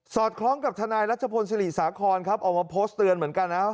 คล้องกับทนายรัชพลศิริสาครครับออกมาโพสต์เตือนเหมือนกันนะครับ